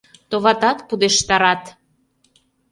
Товатат, пудештарат.